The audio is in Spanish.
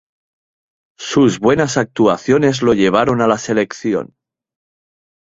Sus buenas actuaciones lo llevaron a la selección.